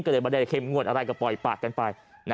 ก็เลยไม่ได้เข้มงวดอะไรก็ปล่อยปากกันไป